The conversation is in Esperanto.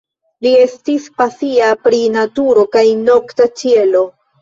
Li estas pasia pri naturo kaj nokta ĉielo.